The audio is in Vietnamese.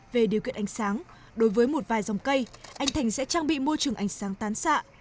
về điều kiện ánh sáng đối với một vài dòng cây anh thành sẽ trang bị môi trường ánh sáng tán xạ